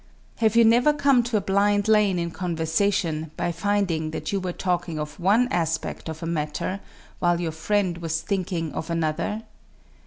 Have you never come to a blind lane in conversation by finding that you were talking of one aspect of a matter while your friend was thinking of another?